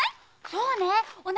そうね。